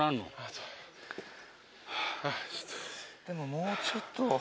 でももうちょっと。